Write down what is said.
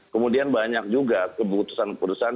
kemudian banyak juga keputusan keputusan